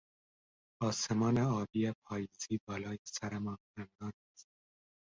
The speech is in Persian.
آسمان آبی پاییزی بالای سرمان خندان است.